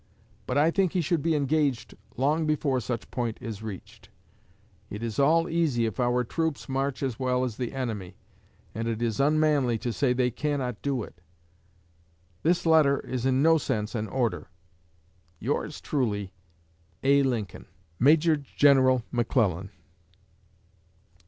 But I think he should be engaged long before such point is reached. It is all easy if our troops march as well as the enemy, and it is unmanly to say they cannot do it. This letter is in no sense an order. Yours truly, A. LINCOLN. MAJOR GENERAL MCCLELLAN.